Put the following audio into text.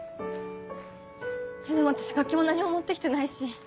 でも私楽器も何も持ってきてないし。